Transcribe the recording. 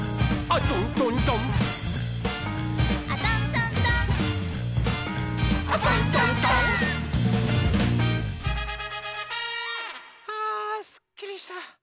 あすっきりした。